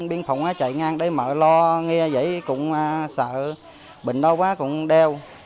biên phòng chạy ngang đây mở lo nghe vậy cũng sợ bệnh đau quá cũng đeo